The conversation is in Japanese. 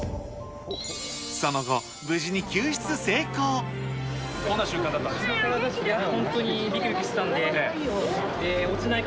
その後、どんな瞬間だったんですか。